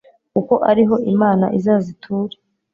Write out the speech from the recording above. kuko ariho imana izaza iture